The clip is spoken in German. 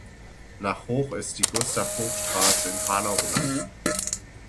Nach Hoch ist die "Gustav-Hoch-Straße" in Hanau benannt.